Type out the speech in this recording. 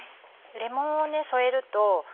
レモンを添えると。